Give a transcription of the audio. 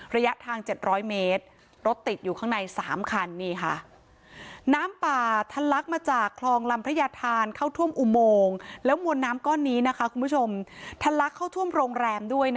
ระยะทาง๗๐๐เมตรรถติดอยู่ข้างใน๓คันนี่ค่ะ